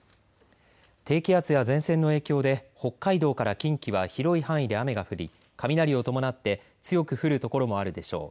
低気圧や前線の影響で北海道から近畿は広い範囲で雨が降り雷を伴って強く降る所もあるでしょう。